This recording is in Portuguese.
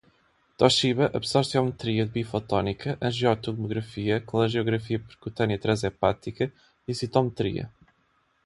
Toshiba, absorciometria bifotônica, angiotomografia, colangiografia percutânea trans-hepática, densitometria